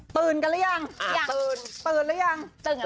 ตื่นกันหรือยัง